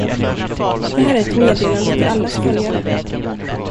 Det här är ett meddelande till allas följare.